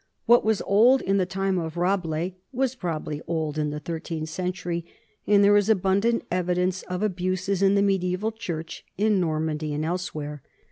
What was old in the time of Rabelais was probably old in the thirteenth cen tury, and there is abundant evidence of abuses in the mediaeval church, in Normandy and elsewhere.